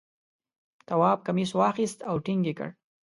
تواب کمیس واخیست او ټینګ یې کړ.